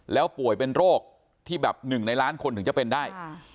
แล้วป่วยเป็นโรคที่แบบ๑ในล้านคนถึงจะเป็นได้